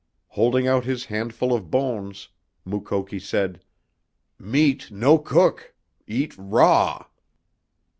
Holding out his handful of bones, Mukoki said: "Meat no cook eat raw!"